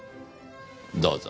どうぞ。